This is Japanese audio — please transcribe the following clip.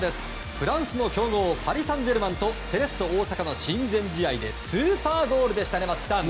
フランスの強豪パリ・サンジェルマンとセレッソ大阪の親善試合でスーパーゴールです、松木さん。